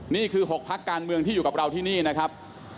นี่คือ๖พักการเมืองที่อยู่กับเราที่นี่นะครับ